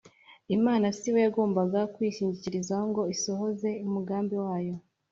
. Imana sibo yagombaga kwishingikirizaho ngo isohoze umugambi wayo.